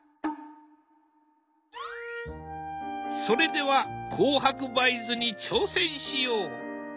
それでは紅白梅図に挑戦しよう。